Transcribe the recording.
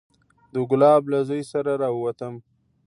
د ګلاب له زوى سره راووتم.